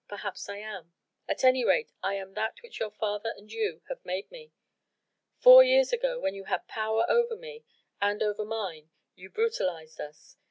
perhaps I am. At any rate I am that which your father and you have made me. Four years ago, when you had power over me and over mine, you brutalised us.